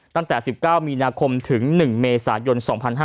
ตั้งแต่๑๙มีนาคมถึง๑เมษายน๒๕๕๙